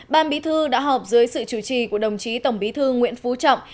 ban bí thư đã họp dưới sự chủ trì của đồng chí tổng bí thư nguyễn phú trọng